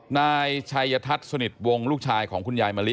นายชัยทัศน์สนิทวงลูกชายของคุณยายมะลิ